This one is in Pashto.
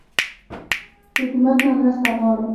له حکومت نه مرسته غواړئ؟